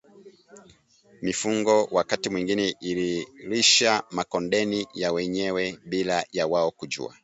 Mifugo wakati mwingine ililisha makondeni ya wenyewe bila ya wao kujua